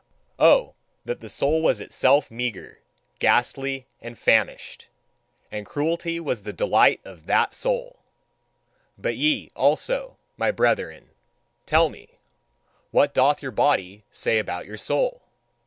Oh, that soul was itself meagre, ghastly, and famished; and cruelty was the delight of that soul! But ye, also, my brethren, tell me: What doth your body say about your soul?